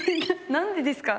何でですか？